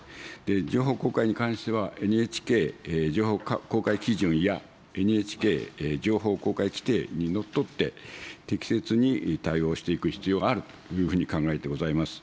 情報公開に関しては、ＮＨＫ情報公開基準や、ＮＨＫ情報公開規程にのっとって、適切に対応していく必要があるというふうに考えてございます。